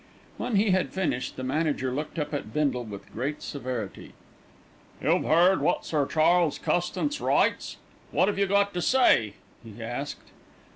When he had finished, the manager looked up at Bindle with great severity. "You've heard what Sir Charles Custance writes. What have you got to say?" he asked.